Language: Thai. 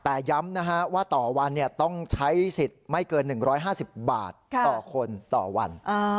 แต่ย้ำนะฮะว่าต่อวันต้องใช้สิทธิ์ไม่เกิน๑๕๐บาทต่อคนต่อวัน